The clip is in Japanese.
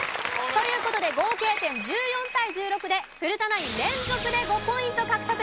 という事で合計点１４対１６で古田ナイン連続で５ポイント獲得です。